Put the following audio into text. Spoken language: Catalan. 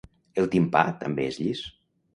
El timpà també és llis.